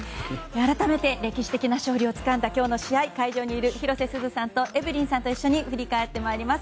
改めて、歴史的勝利をつかんだ今日の試合を会場にいる広瀬すずさんとエブリンさんと一緒に振り返ってまいります。